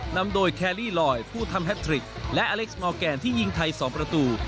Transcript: นำโดยแคลลี่ลอยผู้ทำแฮทริกและอเล็กซ์มอร์แกนที่ยิงไทย๒ประตู